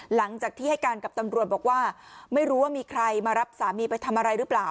หลังจากที่ให้การกับตำรวจบอกว่าไม่รู้ว่ามีใครมารับสามีไปทำอะไรหรือเปล่า